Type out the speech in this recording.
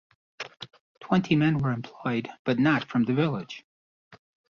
Twenty men were employed but not from the village.